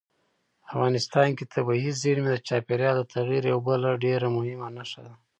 افغانستان کې طبیعي زیرمې د چاپېریال د تغیر یوه بله ډېره مهمه نښه ده.